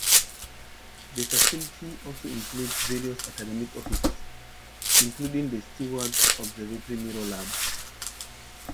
The facility also includes various academic offices, including the Steward Observatory Mirror Lab.